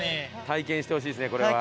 体験してほしいです。